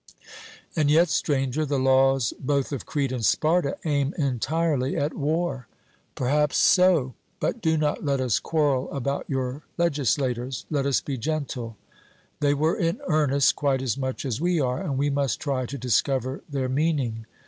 'And yet, Stranger, the laws both of Crete and Sparta aim entirely at war.' Perhaps so; but do not let us quarrel about your legislators let us be gentle; they were in earnest quite as much as we are, and we must try to discover their meaning.